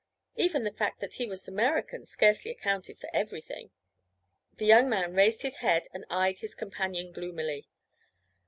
Even the fact that he was American scarcely accounted for everything. The young man raised his head and eyed his companion gloomily.